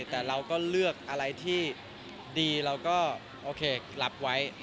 แต่เราก็เลือกอะไรที่ดีเราก็โอเครับไว้